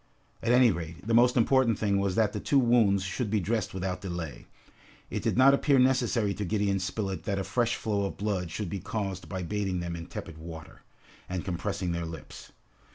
At any rate, the most important thing was that the two wounds should be dressed without delay. It did not appear necessary to Gideon Spilett that a fresh flow of blood should be caused by bathing them in tepid water, and compressing their lips.